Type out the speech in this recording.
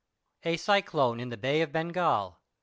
*A CYCLONE IN THE BAY OF BENGAL.